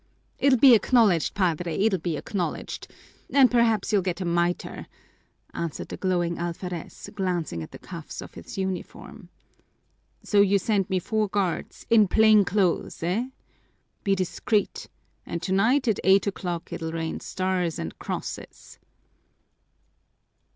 "It'll be acknowledged, Padre, it'll be acknowledged and perhaps you'll get a miter!" answered the glowing alferez, glancing at the cuffs of his uniform. "So, you send me four guards in plain clothes, eh? Be discreet, and tonight at eight o'clock it'll rain stars and crosses."